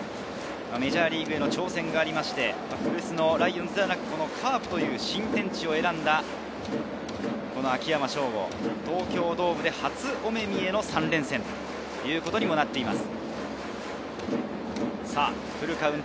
メジャーリーグへの挑戦がありまして、古巣・ライオンズではなく、カープという新天地を選んだ秋山翔吾、東京ドームで初お目見えの３連戦となっています。